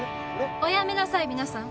おやめなさい皆さん。